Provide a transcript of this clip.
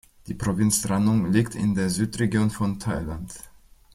Die Provinz Ranong liegt in der Südregion von Thailand.